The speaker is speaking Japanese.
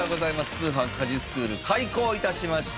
通販☆家事スクール開校致しました。